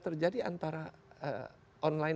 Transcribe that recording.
terjadi antara online